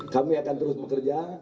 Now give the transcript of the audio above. kami akan terus bekerja